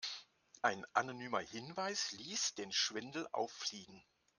Ein anonymer Hinweis ließ den Schwindel auffliegen.